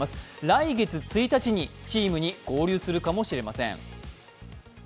来月１日にチームに合流するかもしれません。